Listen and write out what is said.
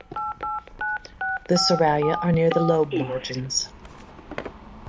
The soralia are near the lobe margins.